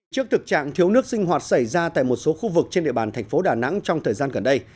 trước thực trạng thiếu nước sinh hoạt xảy ra tại một số khu vực trên địa bàn thành phố đà nẵng trong thời gian gần đây